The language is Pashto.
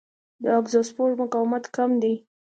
د اګزوسپور مقاومت کم دی.